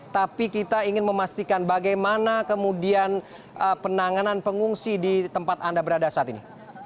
tapi kita ingin memastikan bagaimana kemudian penanganan pengungsi di tempat anda berada saat ini